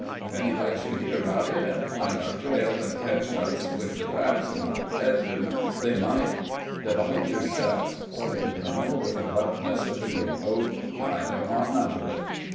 Ef anybody should hear 'bout it, an' find our trail, an' ketch us with the traps in our possession, they might " "Divide yerselves!" said the colonel, with abruptness and a great oath. "I don't want none of it."